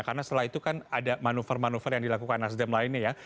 karena setelah itu kan ada manuver manuver yang dilakukan nasdem lainnya ya